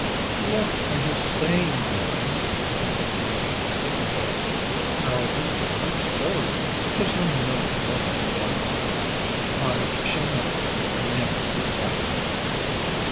"What are you saying, mamam?" said Manetchka, embarrassed. "Our visitor might suppose ... there's no knowing what he might suppose .... I shall never never marry."